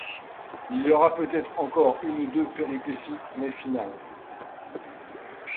Il y aura peut-être encore une ou deux péripéties, mais finales.